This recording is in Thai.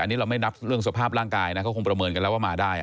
อันนี้เราไม่นับเรื่องสภาพร่างกายนะเขาคงประเมินกันแล้วว่ามาได้